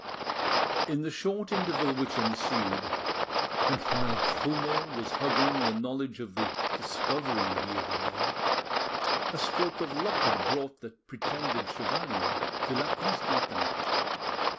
In the short interval which ensued, and while Trumeau was hugging the knowledge of the discovery he had made, a stroke of luck had brought the pretended chevalier to La Constantin.